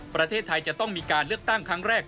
ประเทศไทยจะต้องมีการเลือกตั้งครั้งแรก